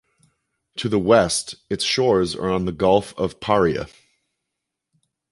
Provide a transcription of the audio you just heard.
To the west its shores are on the Gulf of Paria.